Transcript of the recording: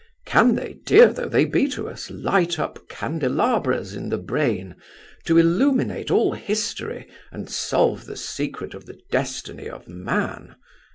Can they, dear though they be to us, light up candelabras in the brain, to illuminate all history and solve the secret of the destiny of man?